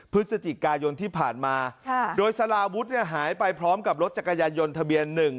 พฤศจิกายนที่ผ่านมาโดยสารวุฒิเนี่ยหายไปพร้อมกับรถจักรยานยนต์ทะเบียนหนึ่ง